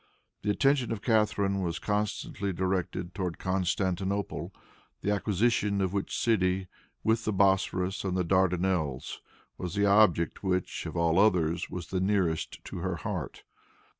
The attention of Catharine was constantly directed towards Constantinople, the acquisition of which city, with the Bosporus and the Dardanelles, was the object which, of all others, was the nearest to her heart.